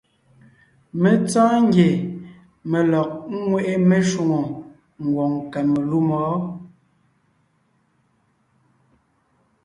Mé tsɔ́ɔn ngie mé lɔg ńŋweʼe meshwóŋè ngwòŋ Kamalûm wɔ́.